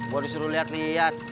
gue disuruh liat liat